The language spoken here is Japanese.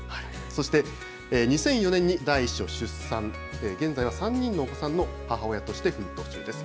そして２００４年に第１子を出産、現在は３人のお子さんの母親として奮闘中です。